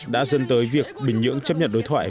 đã dân tới việc bình nhưỡng chấp nhận đối thoại